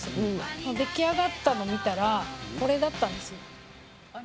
でも出来上がったの見たらこれだったんですよ。